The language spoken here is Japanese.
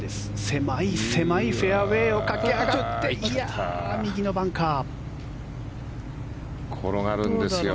狭い狭いフェアウェーを駆け上がって、右のバンカー。